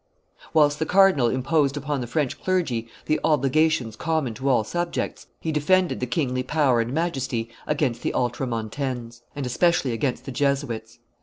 Whilst the cardinal imposed upon the French clergy the obligations common to all subjects, he defended the kingly power and majesty against the Ultramoutanes, and especially against the Jesuits.